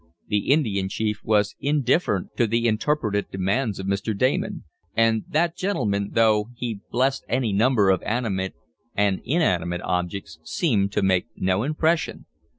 The Indian chief was indifferent to the interpreted demands of Mr. Damon, and that gentleman, though he blessed any number of animate and inanimate objects, seemed to make no impression.